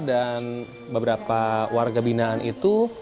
dan beberapa warga ginaan itu